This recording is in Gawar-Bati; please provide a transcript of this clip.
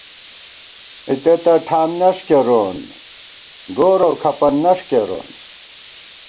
اتے تہ ٹھان نݭ کېرون ، گور اؤ کھپَن نݭ کېرون